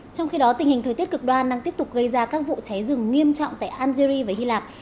trong khi đó tình hình thời tiết cực đoan đang tiếp tục gây ra các vụ cháy rừng nghiêm trọng tại algeria và hy lạp